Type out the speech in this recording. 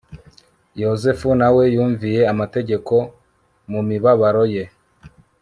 yozefu na we yumviye amategeko mu mibabaro ye